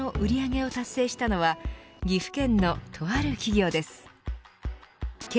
昨年、このイベントで６２億円の売り上げを達成したのは岐阜県のとある企業です。